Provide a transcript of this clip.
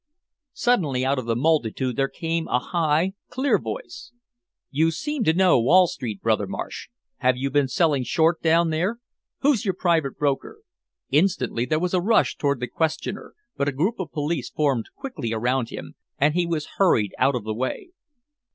'" Suddenly out of the multitude there came a high, clear voice: "You seem to know Wall Street, Brother Marsh. Have you been selling short down there? Who's your private broker?" Instantly there was a rush toward the questioner, but a group of police formed quickly around him and he was hurried out of the way.